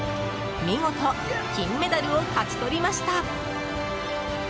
見事、金メダルを勝ち取りました。